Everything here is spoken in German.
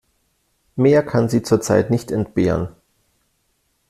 Mehr kann sie zurzeit nicht entbehren.